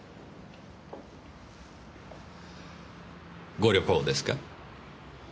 ご旅行ですか？